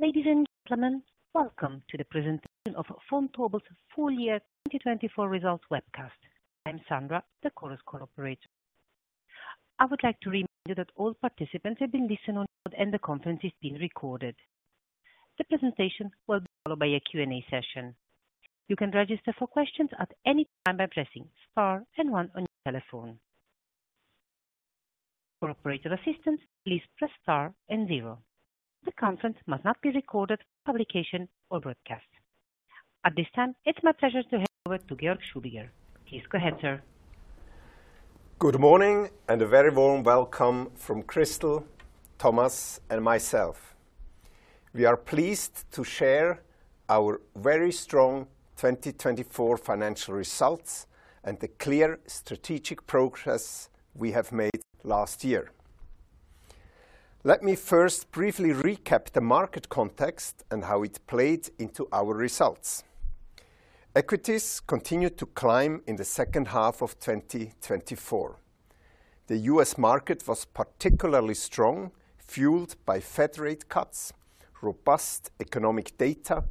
Ladies and gentlemen, welcome to the presentation of Vontobel's full year 2024 results webcast. I'm Sandra, the Chorus Call operator. I would like to remind you that all participants have been placed on listen-only and the conference is being recorded. The presentation will be followed by a Q&A session. You can register for questions at any time by pressing star and one on your telephone. For operator assistance, please press star and zero. The conference must not be recorded for publication or broadcast. At this time, it's my pleasure to hand over to Georg Schubiger. Please go ahead, sir. Good morning and a very warm welcome from Christel, Thomas, and myself. We are pleased to share our very strong 2024 financial results and the clear strategic progress we have made last year. Let me first briefly recap the market context and how it played into our results. Equities continued to climb in the second half of 2024. The U.S. market was particularly strong, fueled by Fed rate cuts, robust economic data,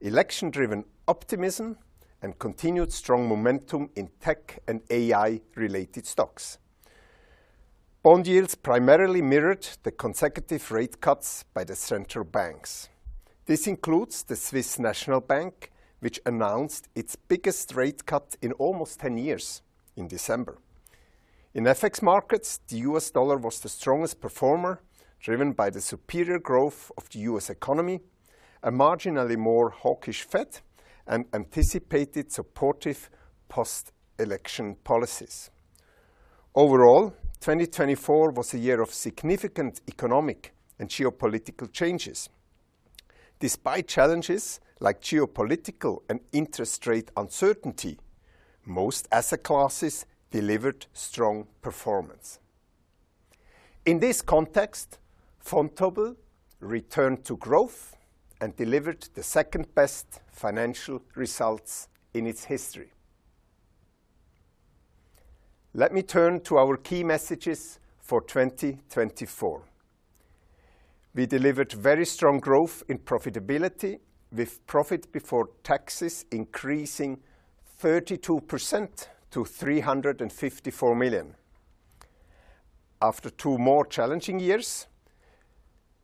election-driven optimism, and continued strong momentum in tech and AI-related stocks. Bond yields primarily mirrored the consecutive rate cuts by the central banks. This includes the Swiss National Bank, which announced its biggest rate cut in almost 10 years in December. In FX markets, the U.S. dollar was the strongest performer, driven by the superior growth of the U.S. economy, a marginally more hawkish Fed, and anticipated supportive post-election policies. Overall, 2024 was a year of significant economic and geopolitical changes. Despite challenges like geopolitical and interest rate uncertainty, most asset classes delivered strong performance. In this context, Vontobel returned to growth and delivered the second-best financial results in its history. Let me turn to our key messages for 2024. We delivered very strong growth in profitability, with profit before taxes increasing 32% to 354 million. After two more challenging years,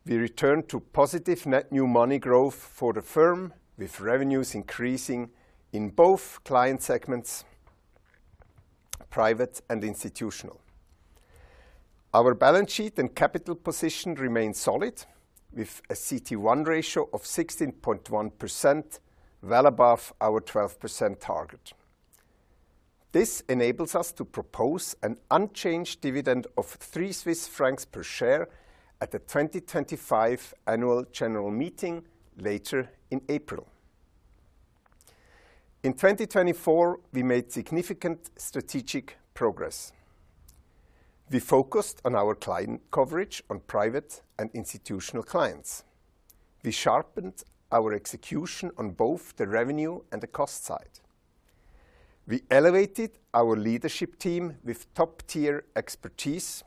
we returned to positive net new money growth for the firm, with revenues increasing in both client segments, private and institutional. Our balance sheet and capital position remained solid, with a CET1 ratio of 16.1%, well above our 12% target. This enables us to propose an unchanged dividend of 3 Swiss francs per share at the 2025 Annual General Meeting later in April. In 2024, we made significant strategic progress. We focused on our client coverage on private and institutional clients. We sharpened our execution on both the revenue and the cost side. We elevated our leadership team with top-tier expertise,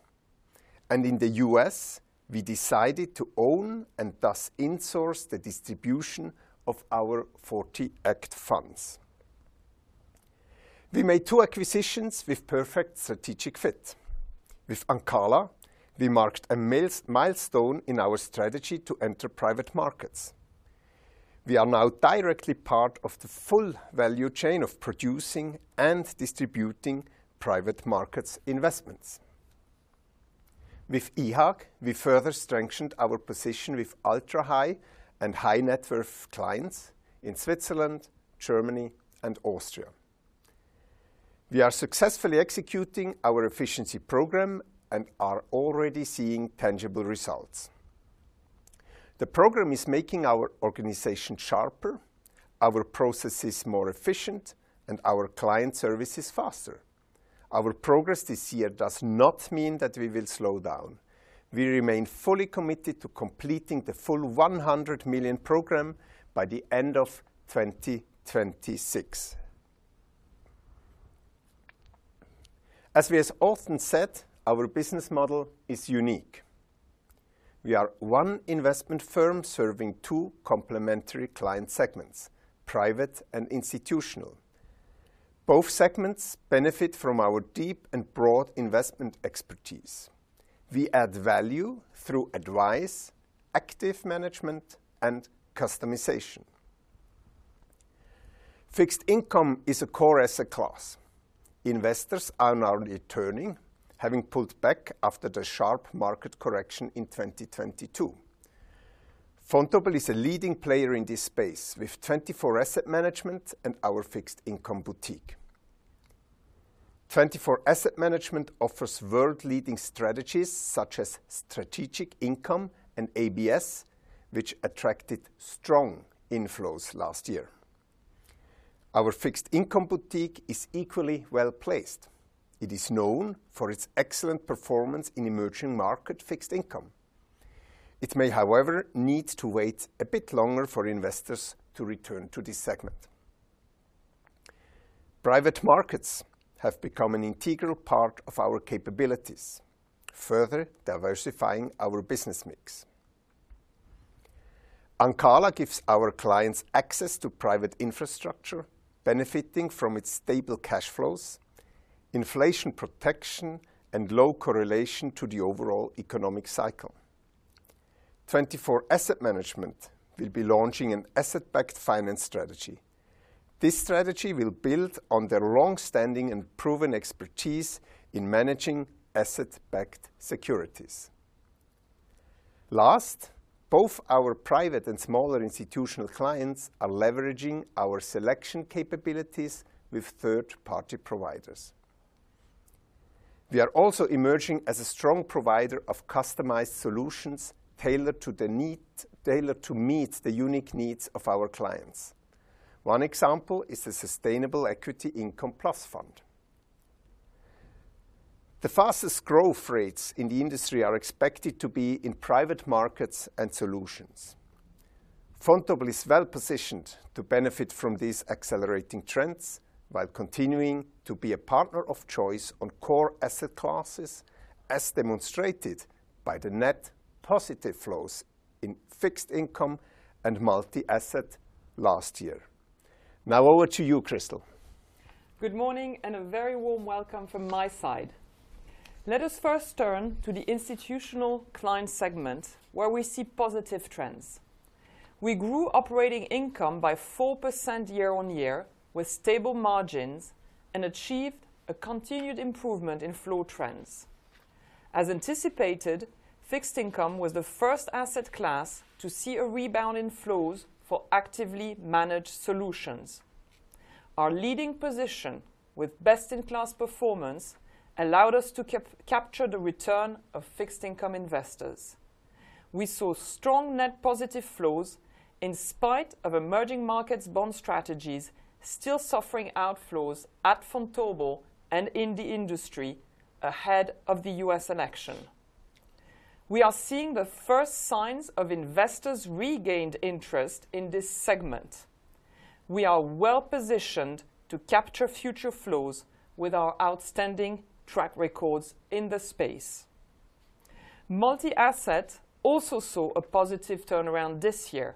and in the U.S., we decided to own and thus insource the distribution of our 40-Act funds. We made two acquisitions with perfect strategic fit. With Ancala, we marked a milestone in our strategy to enter private markets. We are now directly part of the full value chain of producing and distributing private markets investments. With IHAG, we further strengthened our position with ultra-high and high-net-worth clients in Switzerland, Germany, and Austria. We are successfully executing our efficiency program and are already seeing tangible results. The program is making our organization sharper, our processes more efficient, and our client services faster. Our progress this year does not mean that we will slow down. We remain fully committed to completing the full 100 million program by the end of 2026. As we have often said, our business model is unique. We are one investment firm serving two complementary client segments, private and institutional. Both segments benefit from our deep and broad investment expertise. We add value through advice, active management, and customization. Fixed income is a core asset class. Investors are now returning, having pulled back after the sharp market correction in 2022. Vontobel is a leading player in this space with TwentyFour Asset Management and our fixed income boutique. TwentyFour Asset Management offers world-leading strategies such as Strategic Income and ABS, which attracted strong inflows last year. Our fixed income boutique is equally well placed. It is known for its excellent performance in emerging market fixed income. It may, however, need to wait a bit longer for investors to return to this segment. Private markets have become an integral part of our capabilities, further diversifying our business mix. Ancala gives our clients access to private infrastructure, benefiting from its stable cash flows, inflation protection, and low correlation to the overall economic cycle. TwentyFour Asset Management will be launching an asset-backed finance strategy. This strategy will build on their long-standing and proven expertise in managing asset-backed securities. Last, both our private and smaller institutional clients are leveraging our selection capabilities with third-party providers. We are also emerging as a strong provider of customized solutions tailored to meet the unique needs of our clients. One example is the Sustainable Equity Income Plus Fund. The fastest growth rates in the industry are expected to be in private markets and solutions. Vontobel is well positioned to benefit from these accelerating trends while continuing to be a partner of choice on core asset classes, as demonstrated by the net positive flows in fixed income and multi-asset last year. Now over to you, Christel. Good morning and a very warm welcome from my side. Let us first turn to the institutional client segment, where we see positive trends. We grew operating income by 4% year-on-year, with stable margins, and achieved a continued improvement in flow trends. As anticipated, fixed income was the first asset class to see a rebound in flows for actively managed solutions. Our leading position with best-in-class performance allowed us to capture the return of fixed income investors. We saw strong net positive flows in spite of emerging markets' bond strategies still suffering outflows at Vontobel and in the industry ahead of the U.S. election. We are seeing the first signs of investors' regained interest in this segment. We are well positioned to capture future flows with our outstanding track records in the space. Multi-asset also saw a positive turnaround this year,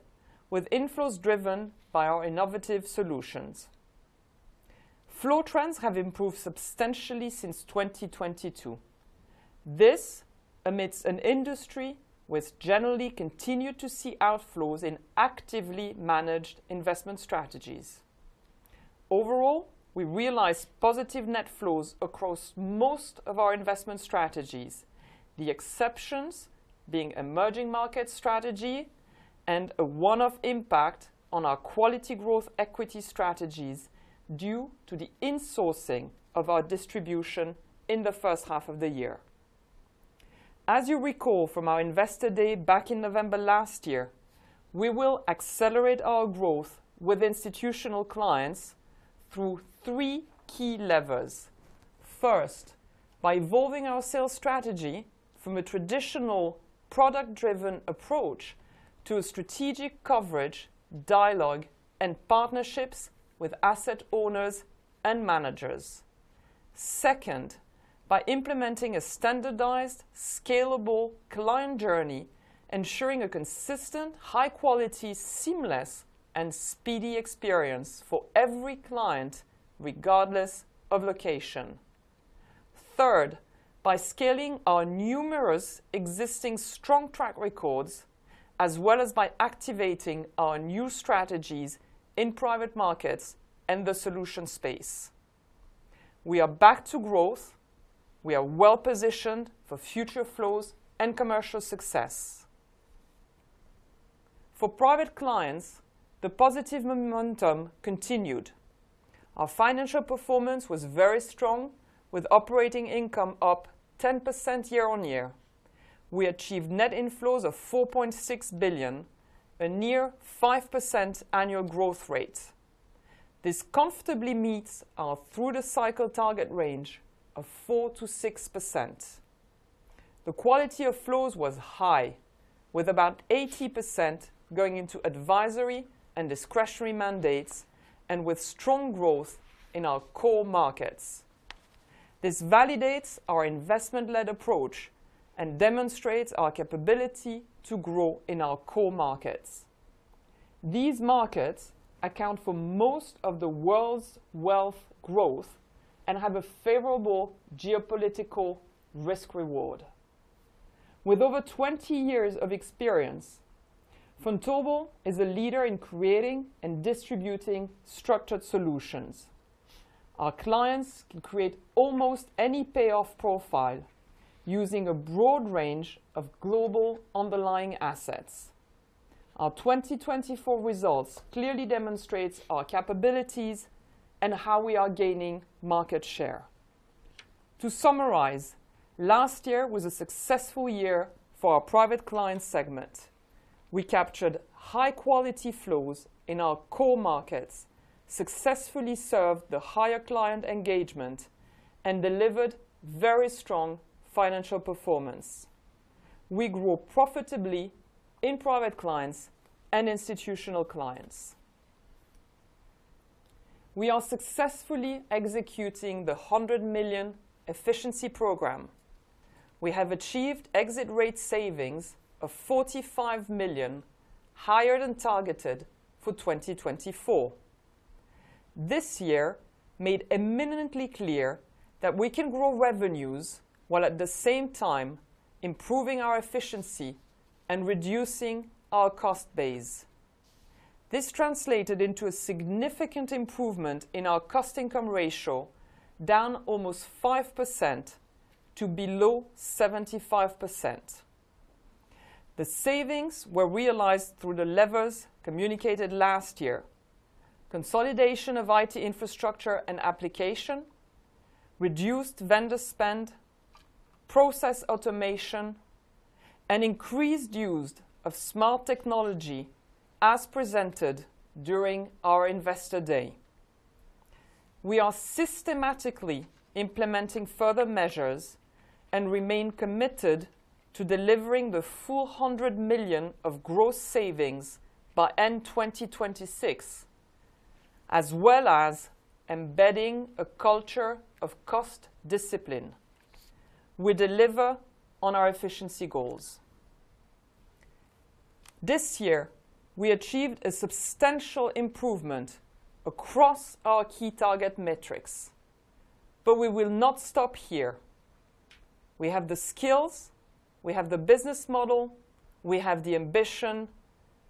with inflows driven by our innovative solutions. Flow trends have improved substantially since 2022. This amidst an industry which generally continued to see outflows in actively managed investment strategies. Overall, we realized positive net flows across most of our investment strategies, the exceptions being emerging market strategy and a one-off impact on our Quality Growth Equity strategies due to the insourcing of our distribution in the first half of the year. As you recall from our Investor Day back in November last year, we will accelerate our growth with institutional clients through three key levers. First, by evolving our sales strategy from a traditional product-driven approach to a strategic coverage, dialogue, and partnerships with asset owners and managers. Second, by implementing a standardized, scalable client journey, ensuring a consistent, high-quality, seamless, and speedy experience for every client, regardless of location. Third, by scaling our numerous existing strong track records, as well as by activating our new strategies in private markets and the solution space. We are back to growth. We are well positioned for future flows and commercial success. For private clients, the positive momentum continued. Our financial performance was very strong, with operating income up 10% year on year. We achieved net inflows of 4.6 billion, a near 5% annual growth rate. This comfortably meets our through-the-cycle target range of 4%-6%. The quality of flows was high, with about 80% going into advisory and discretionary mandates and with strong growth in our core markets. This validates our investment-led approach and demonstrates our capability to grow in our core markets. These markets account for most of the world's wealth growth and have a favorable geopolitical risk-reward. With over 20 years of experience, Vontobel is a leader in creating and distributing structured solutions. Our clients can create almost any payoff profile using a broad range of global underlying assets. Our 2024 results clearly demonstrate our capabilities and how we are gaining market share. To summarize, last year was a successful year for our private client segment. We captured high-quality flows in our core markets, successfully served the higher client engagement, and delivered very strong financial performance. We grew profitably in private clients and institutional clients. We are successfully executing the 100 million efficiency program. We have achieved exit rate savings of 45 million, higher than targeted for 2024. This year made eminently clear that we can grow revenues while at the same time improving our efficiency and reducing our cost base. This translated into a significant improvement in our cost/income ratio, down almost 5% to below 75%. The savings were realized through the levers communicated last year. Consolidation of IT infrastructure and application reduced vendor spend, process automation, and increased use of smart technology as presented during our Investor Day. We are systematically implementing further measures and remain committed to delivering 400 million of gross savings by end 2026, as well as embedding a culture of cost discipline. We deliver on our efficiency goals. This year, we achieved a substantial improvement across our key target metrics, but we will not stop here. We have the skills, we have the business model, we have the ambition,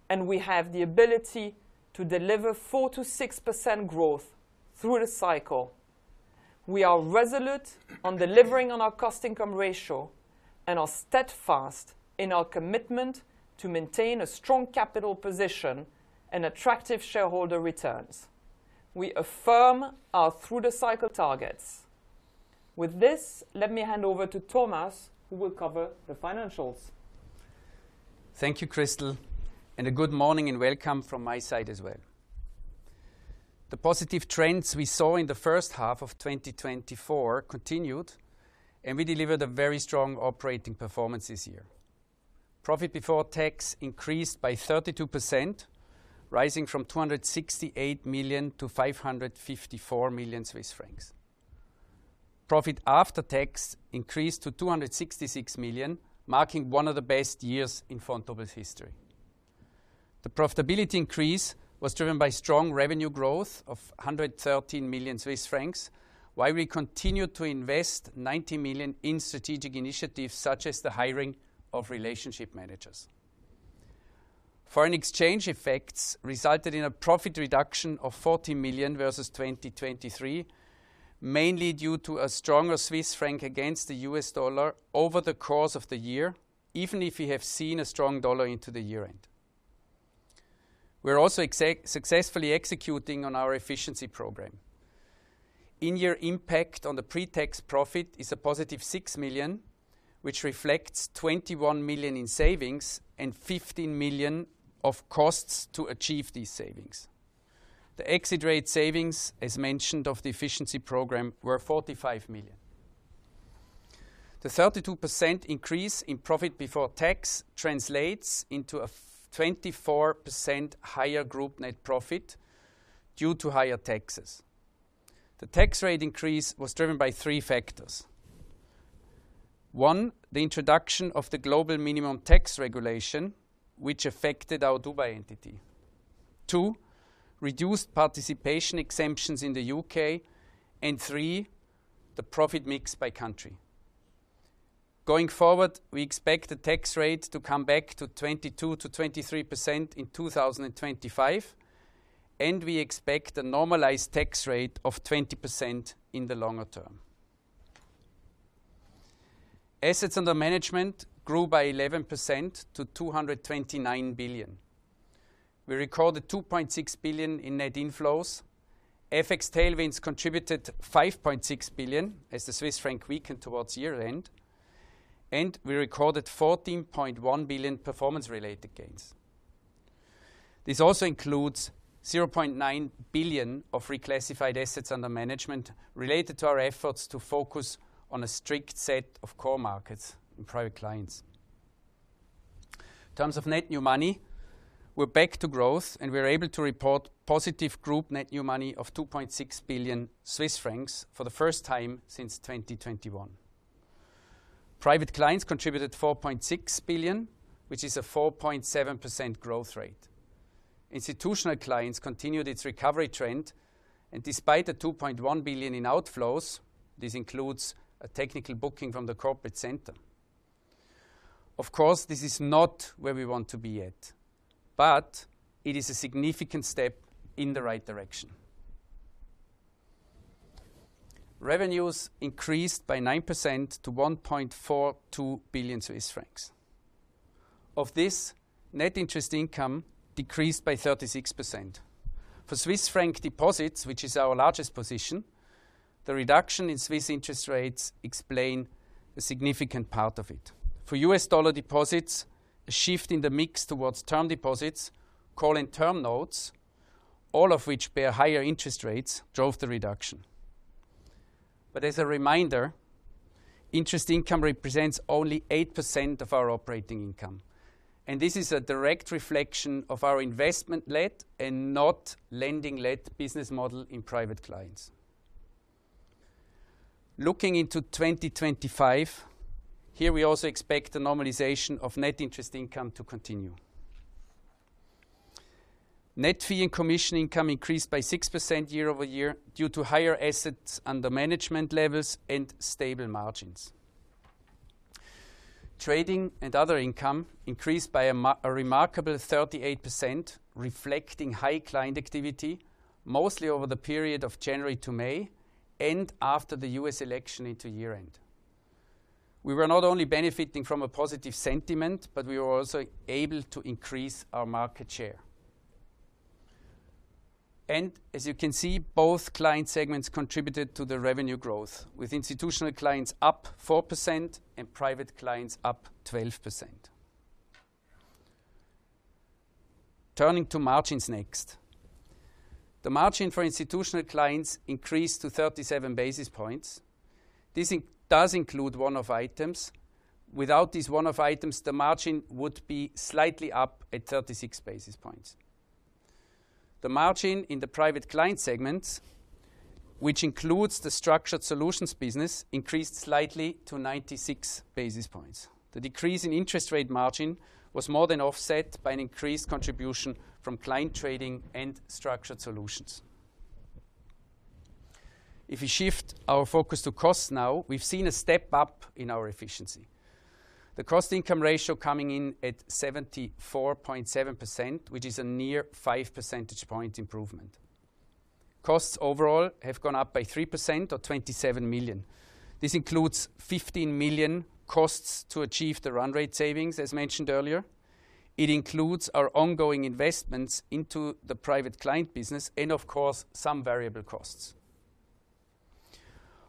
and we have the ability to deliver 4%-6% growth through the cycle. We are resolute on delivering on our cost/income ratio and are steadfast in our commitment to maintain a strong capital position and attractive shareholder returns. We affirm our through-the-cycle targets. With this, let me hand over to Thomas, who will cover the financials. Thank you, Christel, and a good morning and welcome from my side as well. The positive trends we saw in the first half of 2024 continued, and we delivered a very strong operating performance this year. Profit before tax increased by 32%, rising from 268 million to 554 million Swiss francs. Profit after tax increased to 266 million, marking one of the best years in Vontobel's history. The profitability increase was driven by strong revenue growth of 113 million Swiss francs, while we continued to invest 90 million in strategic initiatives such as the hiring of relationship managers. Foreign exchange effects resulted in a profit reduction of 40 million versus 2023, mainly due to a stronger Swiss franc against the U.S. dollar over the course of the year, even if we have seen a strong dollar into the year-end. We're also successfully executing on our efficiency program. In-year impact on the pre-tax profit is a positive 6 million, which reflects 21 million in savings and 15 million of costs to achieve these savings. The exit rate savings, as mentioned of the efficiency program, were 45 million. The 32% increase in profit before tax translates into a 24% higher group net profit due to higher taxes. The tax rate increase was driven by three factors. One, the introduction of the global minimum tax regulation, which affected our Dubai entity. Two, reduced participation exemptions in the U.K. And three, the profit mix by country. Going forward, we expect the tax rate to come back to 22%-23% in 2025, and we expect a normalized tax rate of 20% in the longer term. Assets under management grew by 11% to 229 billion. We recorded 2.6 billion in net inflows. FX tailwinds contributed 5.6 billion as the Swiss franc weakened towards year-end, and we recorded 14.1 billion performance-related gains. This also includes 0.9 billion of reclassified assets under management related to our efforts to focus on a strict set of core markets and private clients. In terms of net new money, we're back to growth, and we're able to report positive group net new money of 2.6 billion Swiss francs for the first time since 2021. Private clients contributed 4.6 billion, which is a 4.7% growth rate. Institutional clients continued its recovery trend, and despite the 2.1 billion in outflows, this includes a technical booking from the corporate center. Of course, this is not where we want to be yet, but it is a significant step in the right direction. Revenues increased by 9% to 1.42 billion Swiss francs. Of this, net interest income decreased by 36%. For Swiss franc deposits, which is our largest position, the reduction in Swiss interest rates explains a significant part of it. For U.S. dollar deposits, a shift in the mix towards term deposits, so-called term notes, all of which bear higher interest rates, drove the reduction. But as a reminder, interest income represents only 8% of our operating income, and this is a direct reflection of our investment-led and not lending-led business model in private clients. Looking into 2025, here we also expect a normalization of net interest income to continue. Net fee and commission income increased by 6% year over year due to higher assets under management levels and stable margins. Trading and other income increased by a remarkable 38%, reflecting high client activity, mostly over the period of January to May and after the U.S. election into year-end. We were not only benefiting from a positive sentiment, but we were also able to increase our market share. As you can see, both client segments contributed to the revenue growth, with institutional clients up 4% and private clients up 12%. Turning to margins next. The margin for institutional clients increased to 37 basis points. This does include one-off items. Without these one-off items, the margin would be slightly up at 36 basis points. The margin in the private client segments, which includes the structured solutions business, increased slightly to 96 basis points. The decrease in interest rate margin was more than offset by an increased contribution from client trading and structured solutions. If we shift our focus to costs now, we have seen a step up in our efficiency. The cost/income ratio coming in at 74.7%, which is a near five percentage point improvement. Costs overall have gone up by 3% or 27 million. This includes 15 million costs to achieve the run rate savings, as mentioned earlier. It includes our ongoing investments into the private client business and, of course, some variable costs.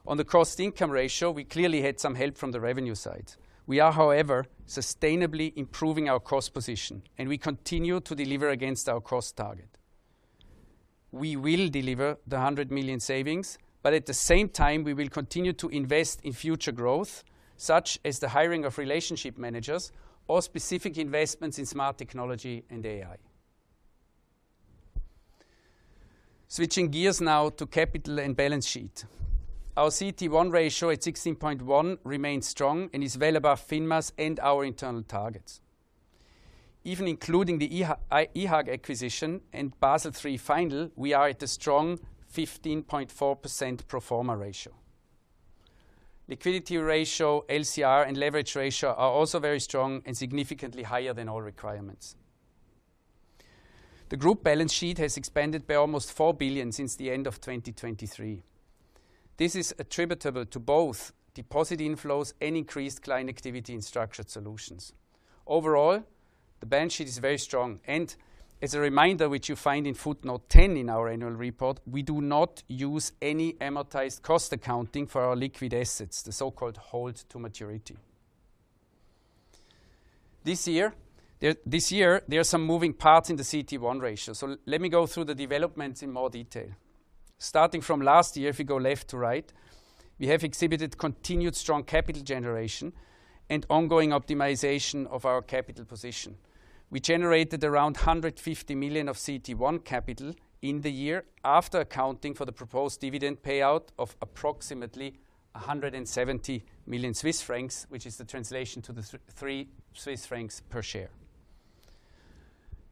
On the cost income ratio, we clearly had some help from the revenue side. We are, however, sustainably improving our cost position, and we continue to deliver against our cost target. We will deliver the 100 million savings, but at the same time, we will continue to invest in future growth, such as the hiring of relationship managers or specific investments in smart technology and AI. Switching gears now to capital and balance sheet. Our CET1 ratio at 16.1% remains strong and is well above FINMA and our internal targets. Even including the IHAG acquisition and Basel III Final, we are at a strong 15.4% pro forma ratio. Liquidity ratio, LCR, and leverage ratio are also very strong and significantly higher than all requirements. The group balance sheet has expanded by almost 4 billion since the end of 2023. This is attributable to both deposit inflows and increased client activity in structured solutions. Overall, the balance sheet is very strong. And as a reminder, which you find in footnote 10 in our annual report, we do not use any amortized cost accounting for our liquid assets, the so-called hold to maturity. This year, there are some moving parts in the CET1 ratio. So let me go through the developments in more detail. Starting from last year, if we go left to right, we have exhibited continued strong capital generation and ongoing optimization of our capital position. We generated around 150 million of CET1 capital in the year after accounting for the proposed dividend payout of approximately 170 million Swiss francs, which is the translation to the 3 Swiss francs per share.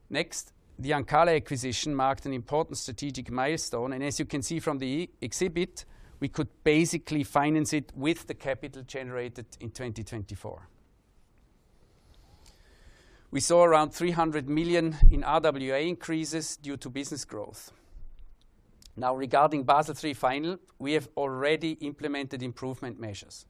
Next, the Ancala acquisition marked an important strategic milestone, and as you can see from the exhibit, we could basically finance it with the capital generated in 2024. We saw around 300 million in RWA increases due to business growth. Now, regarding Basel III Final, we have already implemented improvement measures.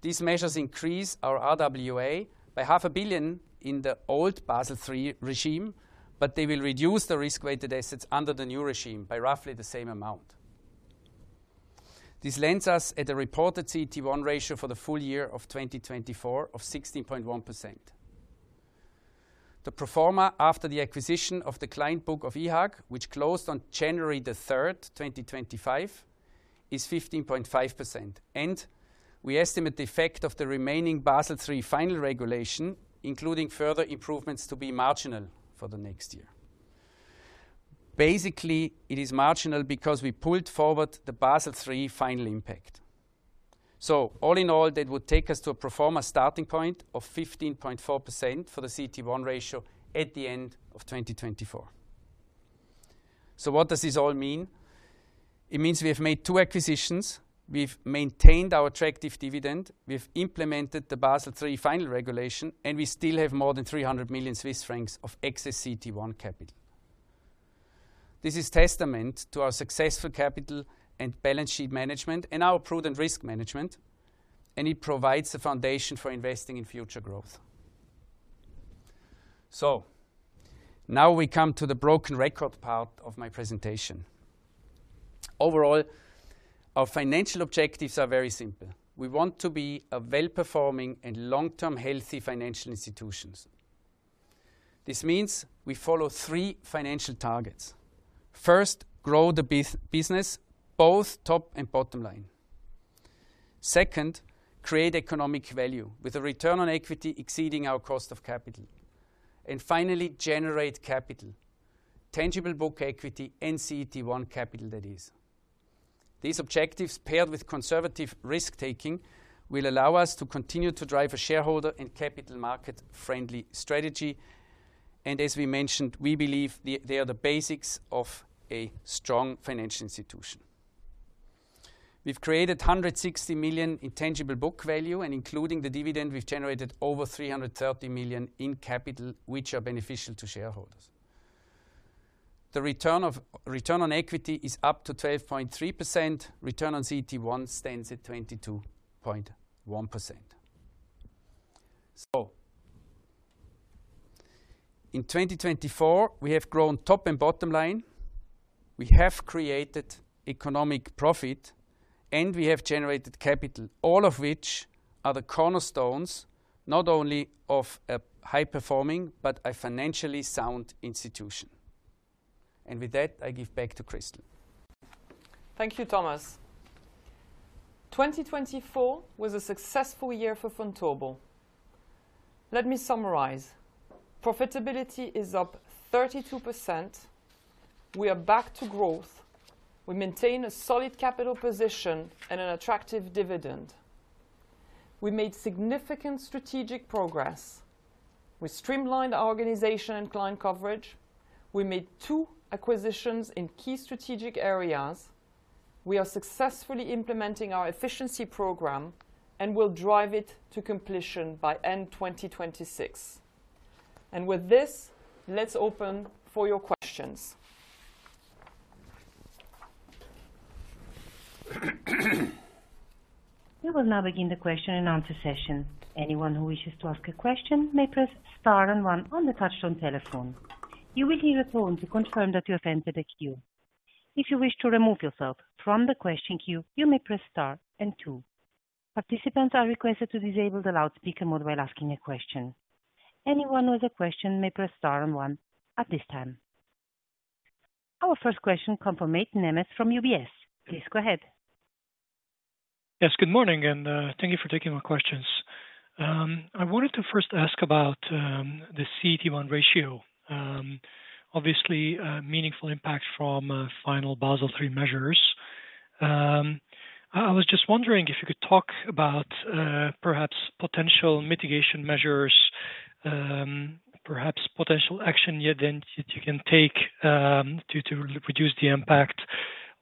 These measures increase our RWA by 500 million in the old Basel III regime, but they will reduce the risk-weighted assets under the new regime by roughly the same amount. This lands us at a reported CET1 ratio for the full year of 2024 of 16.1%. The pro forma after the acquisition of the client book of IHAG, which closed on January 3, 2025, is 15.5%, and we estimate the effect of the remaining Basel III Final regulation, including further improvements, to be marginal for the next year. Basically, it is marginal because we pulled forward the Basel III Final impact, so all in all, that would take us to a pro forma starting point of 15.4% for the CET1 ratio at the end of 2024, so what does this all mean? It means we have made two acquisitions. We've maintained our attractive dividend. We've implemented the Basel III Final regulation, and we still have more than 300 million Swiss francs of excess CET1 capital. This is testament to our successful capital and balance sheet management and our prudent risk management, and it provides the foundation for investing in future growth. So now we come to the broken record part of my presentation. Overall, our financial objectives are very simple. We want to be a well-performing and long-term healthy financial institution. This means we follow three financial targets. First, grow the business, both top and bottom line. Second, create economic value with a return on equity exceeding our cost of capital. And finally, generate capital, tangible book equity and CET1 capital, that is. These objectives, paired with conservative risk-taking, will allow us to continue to drive a shareholder and capital market-friendly strategy. And as we mentioned, we believe they are the basics of a strong financial institution. We've created 160 million in tangible book value, and including the dividend, we've generated over 330 million in capital, which are beneficial to shareholders. The return on equity is up to 12.3%. Return on CET1 stands at 22.1%. So in 2024, we have grown top and bottom line. We have created economic profit, and we have generated capital, all of which are the cornerstones, not only of a high-performing but a financially sound institution. And with that, I give back to Christel. Thank you, Thomas. 2024 was a successful year for Vontobel. Let me summarize. Profitability is up 32%. We are back to growth. We maintain a solid capital position and an attractive dividend. We made significant strategic progress. We streamlined our organization and client coverage. We made two acquisitions in key strategic areas. We are successfully implementing our efficiency program and will drive it to completion by end 2026. And with this, let's open for your questions. We will now begin the question and answer session. Anyone who wishes to ask a question may press star and one on the touch-tone telephone. You will hear a tone to confirm that you have entered a queue. If you wish to remove yourself from the question queue, you may press star and two. Participants are requested to disable the loudspeaker mode while asking a question. Anyone with a question may press star and one at this time. Our first question comes from Mate Nemes from UBS. Please go ahead. Yes, good morning, and thank you for taking my questions. I wanted to first ask about the CET1 ratio, obviously a meaningful impact from final Basel III measures. I was just wondering if you could talk about perhaps potential mitigation measures, perhaps potential action you can take to reduce the impact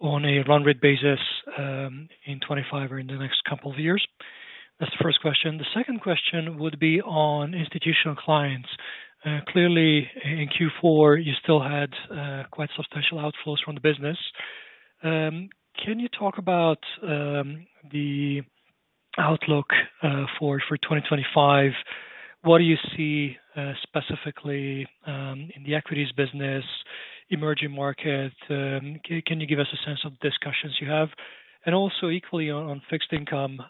on a run rate basis in 2025 or in the next couple of years. That's the first question. The second question would be on institutional clients. Clearly, in Q4, you still had quite substantial outflows from the business. Can you talk about the outlook for 2025? What do you see specifically in the equities business, emerging market? Can you give us a sense of the discussions you have? And also, equally on fixed income,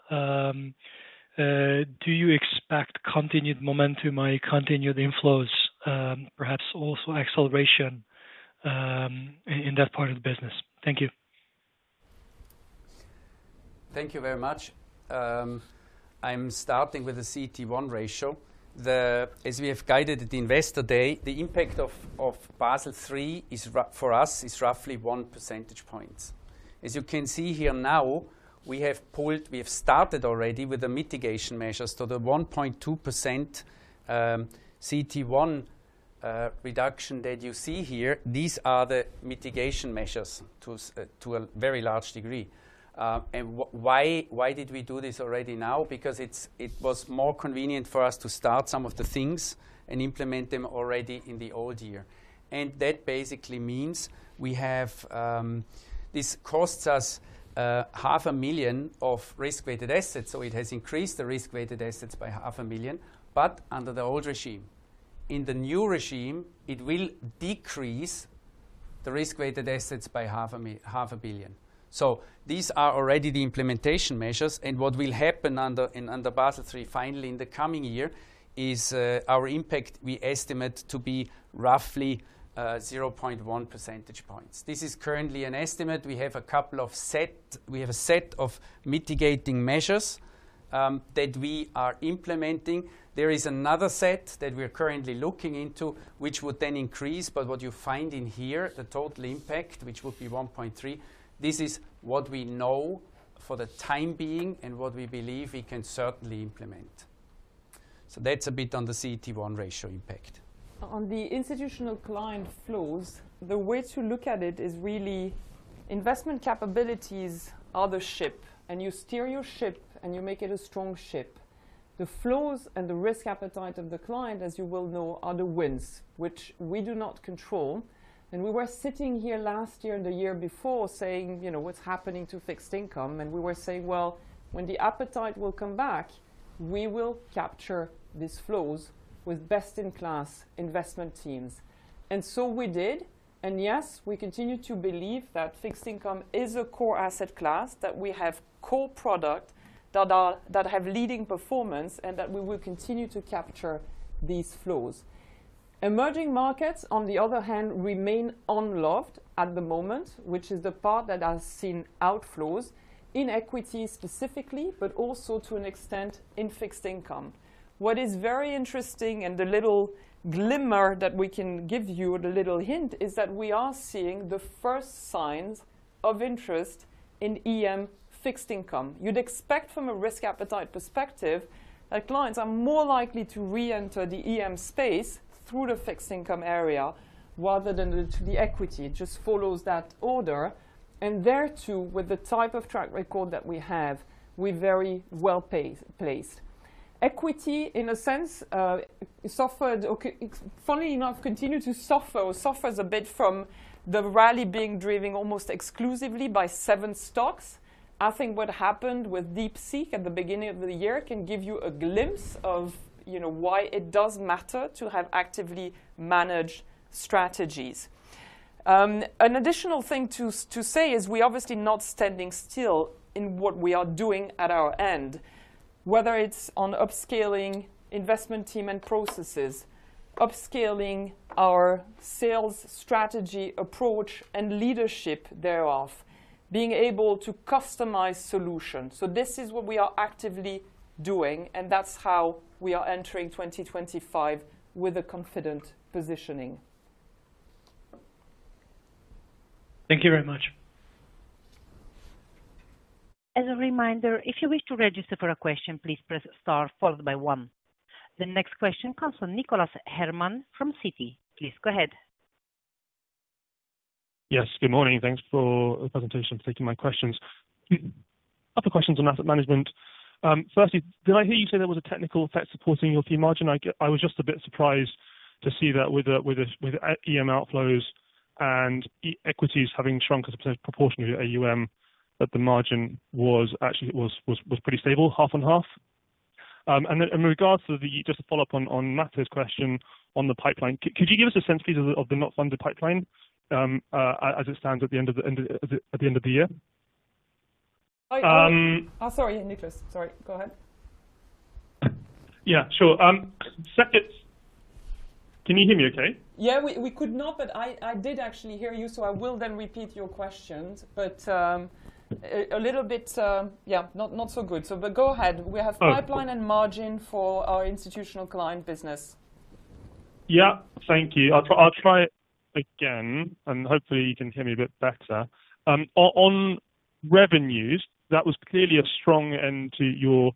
do you expect continued momentum or continued inflows, perhaps also acceleration in that part of the business? Thank you. Thank you very much. I'm starting with the CET1 ratio. As we have guided at the Investor Day, the impact of Basel III for us is roughly one percentage point. As you can see here now, we have started already with the mitigation measures to the 1.2% CET1 reduction that you see here. These are the mitigation measures to a very large degree, and why did we do this already now? Because it was more convenient for us to start some of the things and implement them already in the old year. And that basically means this costs us 500,000 of risk-weighted assets. So it has increased the risk-weighted assets by 500,000, but under the old regime. In the new regime, it will decrease the risk-weighted assets by 500 million. So these are already the implementation measures. And what will happen under Basel III final in the coming year is our impact we estimate to be roughly 0.1 percentage points. This is currently an estimate. We have a set of mitigating measures that we are implementing. There is another set that we are currently looking into, which would then increase. What you find in here, the total impact, which would be 1.3, this is what we know for the time being and what we believe we can certainly implement. That's a bit on the CET1 ratio impact. On the institutional client flows, the way to look at it is really investment capabilities are the ship. You steer your ship and you make it a strong ship. The flows and the risk appetite of the client, as you will know, are the winds, which we do not control. We were sitting here last year and the year before saying, you know, what's happening to fixed income? We were saying, well, when the appetite will come back, we will capture these flows with best-in-class investment teams. So we did. Yes, we continue to believe that fixed income is a core asset class, that we have core products that have leading performance and that we will continue to capture these flows. Emerging markets, on the other hand, remain unloved at the moment, which is the part that has seen outflows in equity specifically, but also to an extent in fixed income. What is very interesting and the little glimmer that we can give you, the little hint, is that we are seeing the first signs of interest in EM fixed income. You'd expect from a risk appetite perspective that clients are more likely to re-enter the EM space through the fixed income area rather than into the equity. It just follows that order. There too, with the type of track record that we have, we're very well placed. Equity, in a sense, suffered, funnily enough, continued to suffer or suffers a bit from the rally being driven almost exclusively by seven stocks. I think what happened with DeepSeek at the beginning of the year can give you a glimpse of why it does matter to have actively managed strategies. An additional thing to say is we're obviously not standing still in what we are doing at our end, whether it's on upscaling investment team and processes, upscaling our sales strategy approach and leadership thereof, being able to customize solutions. So this is what we are actively doing, and that's how we are entering 2025 with a confident positioning. Thank you very much. As a reminder, if you wish to register for a question, please press star followed by one. The next question comes from Nicholas Herman from Citi. Please go ahead. Yes, good morning. Thanks for the presentation and for taking my questions. A couple of questions on asset management. Firstly, did I hear you say there was a technical effect supporting your fee margin? I was just a bit surprised to see that with EM outflows and equities having shrunk as a proportion of AUM, that the margin was actually pretty stable, half and half. And in regards to just to follow up on Mate's question on the pipeline, could you give us a sense please of the unfunded pipeline as it stands at the end of the year? Sorry, Nicholas. Go ahead. Yeah, sure. Nicholas, can you hear me okay? Yeah, we could not, but I did actually hear you, so I will then repeat your questions. But a little bit, yeah, not so good. But go ahead. We have pipeline and margin for our institutional client business. Yeah, thank you. I'll try it again, and hopefully you can hear me a bit better. On revenues, that was clearly a strong end to your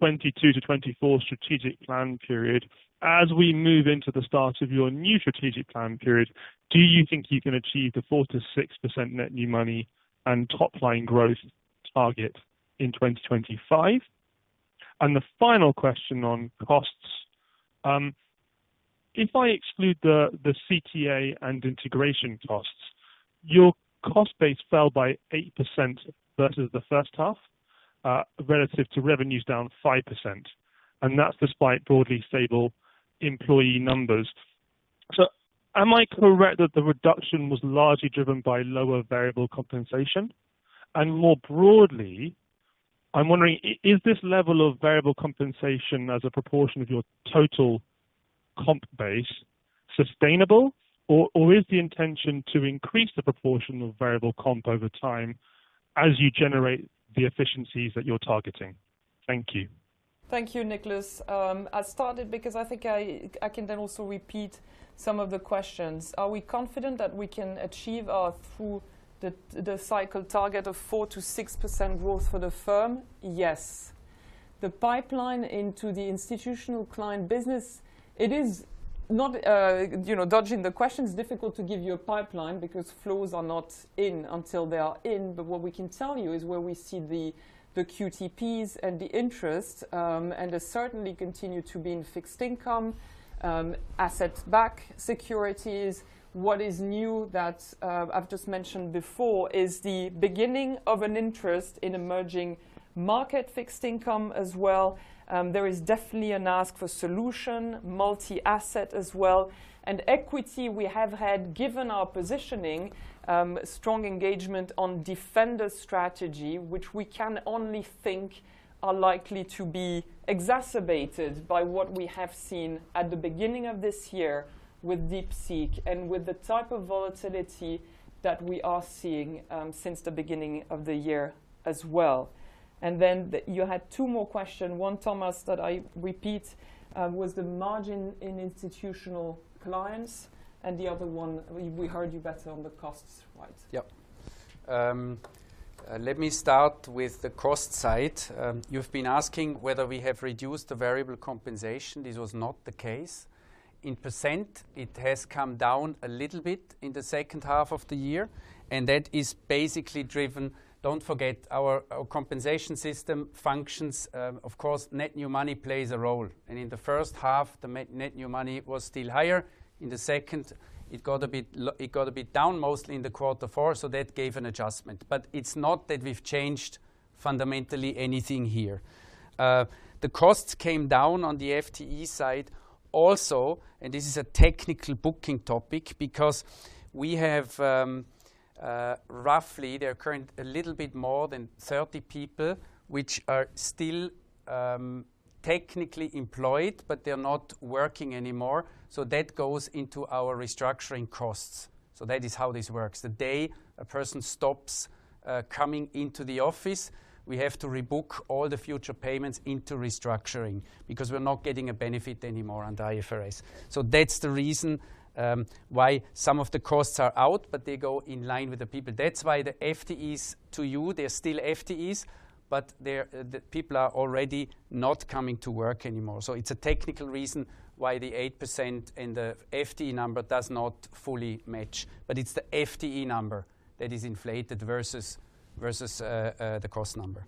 2022-2024 strategic plan period. As we move into the start of your new strategic plan period, do you think you can achieve the 4%-6% net new money and top line growth target in 2025? And the final question on costs. If I exclude the CTA and integration costs, your cost base fell by 8% versus the first half relative to revenues down 5%. And that's despite broadly stable employee numbers. So am I correct that the reduction was largely driven by lower variable compensation? More broadly, I'm wondering, is this level of variable compensation as a proportion of your total comp base sustainable, or is the intention to increase the proportion of variable comp over time as you generate the efficiencies that you're targeting? Thank you. Thank you, Nicholas. I started because I think I can then also repeat some of the questions. Are we confident that we can achieve our through the cycle target of 4%-6% growth for the firm? Yes. The pipeline into the institutional client business, it is not, you know, dodging the question, it's difficult to give you a pipeline because flows are not in until they are in. But what we can tell you is where we see the QTPs and the interest, and they certainly continue to be in fixed income, asset-backed securities. What is new that I've just mentioned before is the beginning of an interest in emerging market fixed income as well. There is definitely an ask for solution, multi-asset as well. And equity, we have had, given our positioning, strong engagement on Defender strategy, which we can only think are likely to be exacerbated by what we have seen at the beginning of this year with DeepSeek and with the type of volatility that we are seeing since the beginning of the year as well. And then you had two more questions. One, Thomas, that I repeat, was the margin in institutional clients, and the other one, we heard you better on the cost side. Yep. Let me start with the cost side. You've been asking whether we have reduced the variable compensation. This was not the case. In percent, it has come down a little bit in the second half of the year, and that is basically driven. Don't forget, our compensation system functions. Of course, net new money plays a role. And in the first half, the net new money was still higher. In the second, it got a bit down mostly in the quarter four, so that gave an adjustment. But it's not that we've changed fundamentally anything here. The costs came down on the FTE side also, and this is a technical booking topic because we have roughly, there are currently a little bit more than 30 people which are still technically employed, but they're not working anymore. So that goes into our restructuring costs. So that is how this works. The day a person stops coming into the office, we have to rebook all the future payments into restructuring because we're not getting a benefit anymore under IFRS. So that's the reason why some of the costs are out, but they go in line with the people. That's why the FTEs to you, they're still FTEs, but the people are already not coming to work anymore. So it's a technical reason why the 8% and the FTE number does not fully match. But it's the FTE number that is inflated versus the cost number.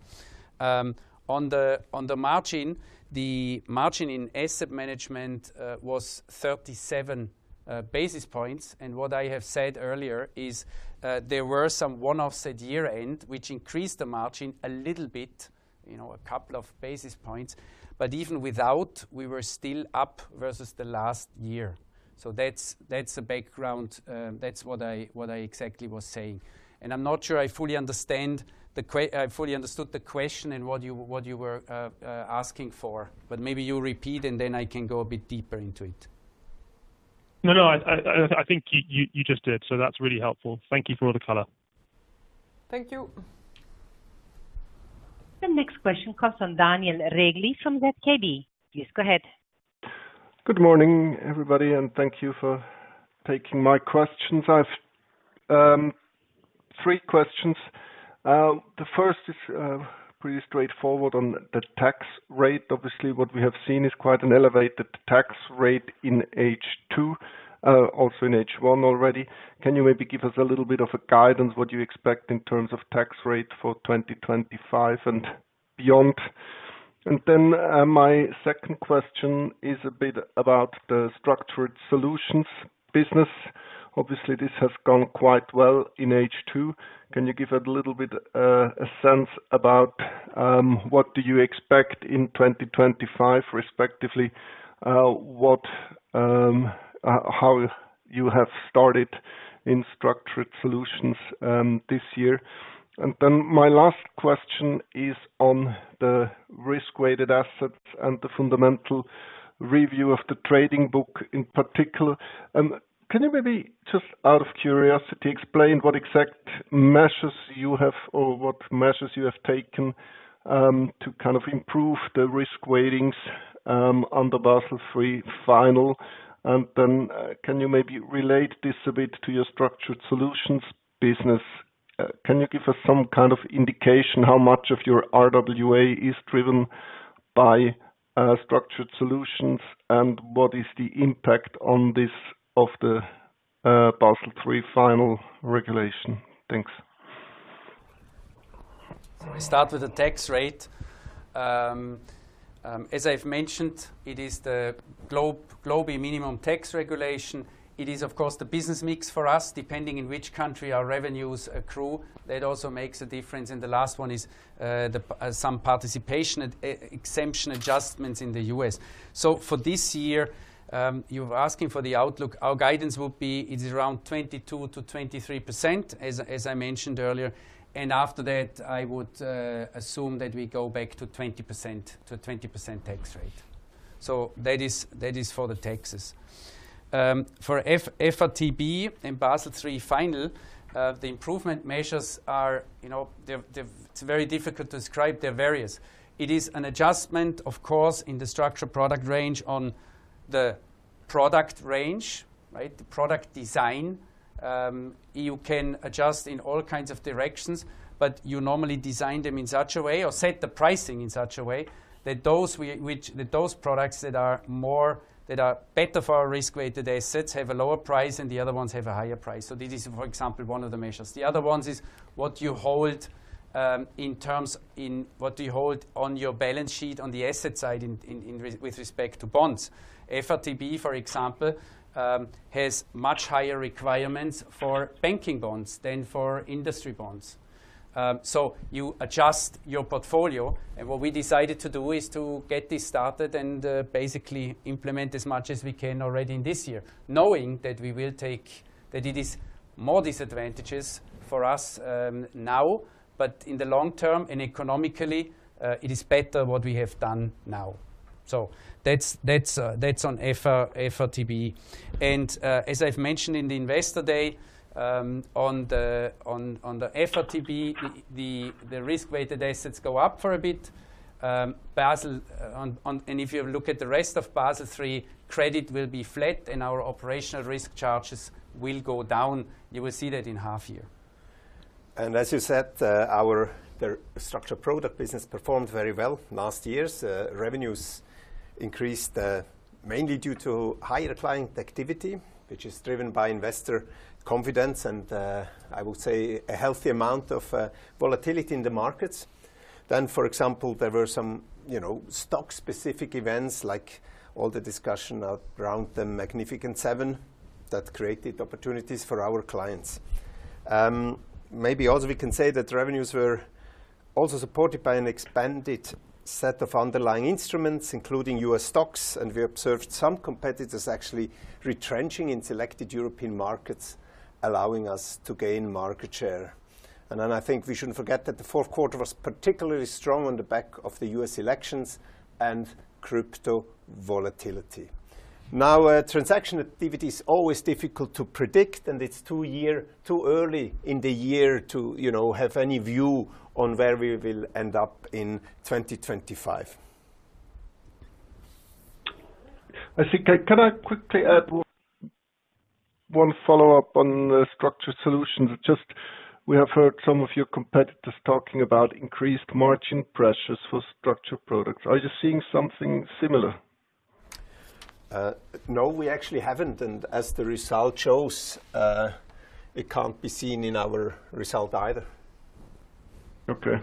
On the margin, the margin in asset management was 37 basis points. And what I have said earlier is there were some one-offs at year-end, which increased the margin a little bit, you know, a couple of basis points. But even without, we were still up versus the last year. So that's the background. That's what I exactly was saying. And I'm not sure I fully understood the question and what you were asking for, but maybe you repeat and then I can go a bit deeper into it. No, no, I think you just did. So that's really helpful. Thank you for all the color. Thank you. The next question comes from Daniel Regli from ZKB. Please go ahead. Good morning, everybody, and thank you for taking my questions. I have three questions. The first is pretty straightforward on the tax rate. Obviously, what we have seen is quite an elevated tax rate in H2, also in H1 already. Can you maybe give us a little bit of guidance on what you expect in terms of tax rate for 2025 and beyond? And then my second question is a bit about the structured solutions business. Obviously, this has gone quite well in H2. Can you give a little bit of a sense about what do you expect in 2025, respectively, how you have started in structured solutions this year? And then my last question is on the risk-weighted assets and the Fundamental Review of the Trading Book in particular. Can you maybe just out of curiosity explain what exact measures you have or what measures you have taken to kind of improve the risk weightings under Basel III Final? And then can you maybe relate this a bit to your structured solutions business? Can you give us some kind of indication how much of your RWA is driven by structured solutions and what is the impact on this of the Basel III Final regulation? Thanks. We start with the tax rate. As I've mentioned, it is the global minimum tax regulation. It is, of course, the business mix for us, depending on which country our revenues accrue. That also makes a difference. And the last one is some participation exemption adjustments in the U.S. So for this year, you're asking for the outlook. Our guidance would be it's around 22%-23%, as I mentioned earlier. And after that, I would assume that we go back to 20%, to a 20% tax rate. So that is for the taxes. For FRTB and Basel III Final, the improvement measures are, you know, it's very difficult to describe. They're various. It is an adjustment, of course, in the structured product range on the product range, right? The product design, you can adjust in all kinds of directions, but you normally design them in such a way or set the pricing in such a way that those products that are better for our risk-weighted assets have a lower price and the other ones have a higher price. So this is, for example, one of the measures. The other ones is what you hold in terms of what do you hold on your balance sheet on the asset side with respect to bonds. FRTB, for example, has much higher requirements for banking bonds than for industry bonds. So you adjust your portfolio. What we decided to do is to get this started and basically implement as much as we can already in this year, knowing that we will take that it is more disadvantages for us now, but in the long term and economically, it is better what we have done now. So that's on FRTB. As I've mentioned in the Investor Day, on the FRTB, the risk-weighted assets go up for a bit. If you look at the rest of Basel III, credit will be flat and our operational risk charges will go down. You will see that in half year. As you said, our structured product business performed very well last year. Revenues increased mainly due to higher client activity, which is driven by investor confidence and I would say a healthy amount of volatility in the markets. For example, there were some, you know, stock-specific events like all the discussion around the Magnificent Seven that created opportunities for our clients. Maybe also we can say that revenues were also supported by an expanded set of underlying instruments, including U.S. stocks, and we observed some competitors actually retrenching in selected European markets, allowing us to gain market share. Then I think we shouldn't forget that the fourth quarter was particularly strong on the back of the U.S. elections and crypto volatility. Now, transaction activity is always difficult to predict, and it's too early in the year to, you know, have any view on where we will end up in 2025. I see. Can I quickly add one follow-up on the structured solutions? Just we have heard some of your competitors talking about increased margin pressures for structured products. Are you seeing something similar? No, we actually haven't. As the result shows, it can't be seen in our result either. Okay.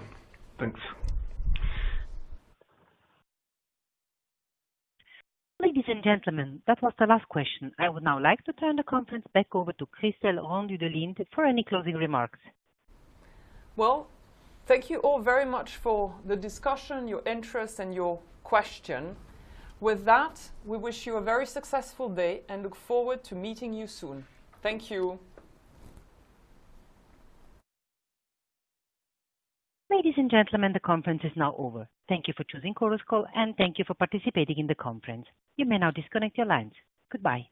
Thanks. Ladies and gentlemen, that was the last question. I would now like to turn the conference back over to Christel Rendu de Lint for any closing remarks. Thank you all very much for the discussion, your interest, and your question. With that, we wish you a very successful day and look forward to meeting you soon. Thank you. Ladies and gentlemen, the conference is now over. Thank you for choosing Chorus Call, and thank you for participating in the conference. You may now disconnect your lines. Goodbye.